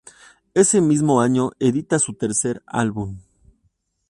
Ese mismo año edita su tercer álbum.